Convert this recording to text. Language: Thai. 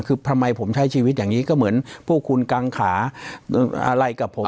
คือทำไมผมใช้ชีวิตอย่างนี้ก็เหมือนพวกคุณกังขาอะไรกับผม